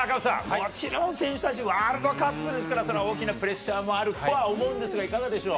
もちろん選手たち、ワールドカップですから、それは大きなプレッシャーもあるとは思うんですけれども、いかがでしょう。